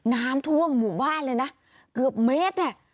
น้ำท่วมหมู่บ้านเลยนะเกือบเมตรเนี่ย